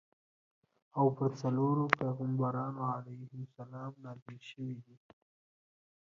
او په څلورو پیغمبرانو علیهم السلام نازل شویدي.